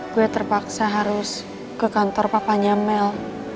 gue terpaksa harus ke kantor papanya mel